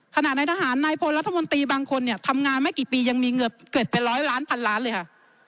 ถ้านักทหารนายพลัทธมันตรีบางคนเนี่ยทำงานไม่กี่ปียังมีเงินเก็บไป๑๐๐ล้าน๑๐๐๐ล้านเลยฮะ